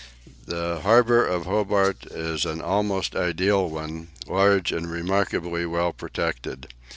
The harbour of Hobart is an almost ideal one, large and remarkably well protected.